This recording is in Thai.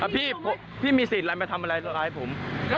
พี่มีสินอะไรมาทำอะไรร้ายผม